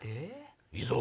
いいぞ！